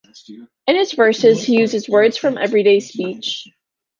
In his verses he uses words from everyday speech.